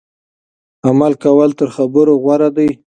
عمل کول تر خبرو غوره دي.